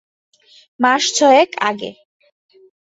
মাস ছয়েক আগে।